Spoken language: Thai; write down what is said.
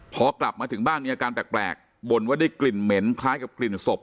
พอกลับมาถึงบ้านมีอาการแปลกบ่นว่าได้กลิ่นเหม็นคล้ายกับกลิ่นศพ